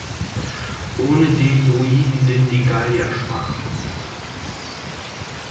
Ohne den Druiden sind die Gallier schwach.